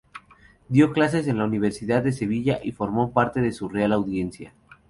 Dio clases en la Universidad de Sevilla y formó parte de su Real Audiencia.